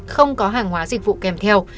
không có hàng hóa dịch vụ kèm theo